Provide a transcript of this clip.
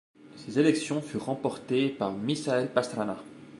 Ces élections furent remportées par Misael Pastrana.